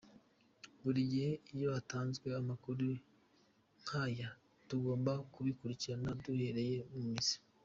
Buri gihe iyo hatanzwe amakuru nk’aya tugomba kubikurikirana duhereye mu mizi.